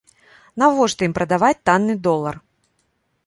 Навошта ім прадаваць танны долар?